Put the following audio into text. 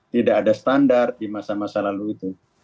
tidak ada standar di masa masa lalu itu